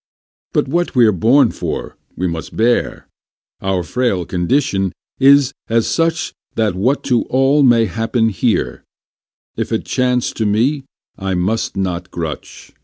But what were born for, we must bear: Our frail condition it is such That what to all may happen here, If t chance to me, I must not grutch.